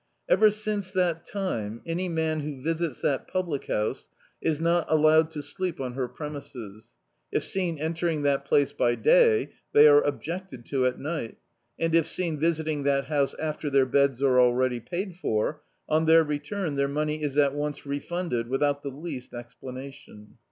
Ever since that time, any man who visits that public house is not allowed to sleep on her premises. If seen entering that place by day, they are objected to at night, and if seen visiting that house after their beds are already paid for, on their return their money is at once refunded without the least explanation."